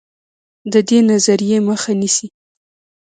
د دې نظریې مخه نیسي.